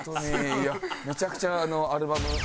いやめちゃくちゃアルバム。